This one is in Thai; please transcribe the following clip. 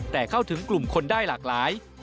แต่เข้าถึงกลุ่มคนได้หลากหลาย